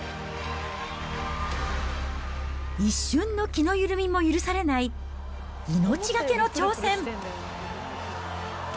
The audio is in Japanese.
一瞬の気の緩みも許されない、命懸けの挑戦。